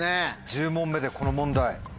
１０問目でこの問題。